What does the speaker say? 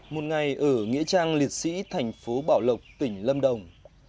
một ngày ở nghĩa trang liệt sĩ thành phố bảo lộc tỉnh lâm đồng